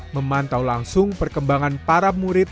memantau langsung perkembangan para murid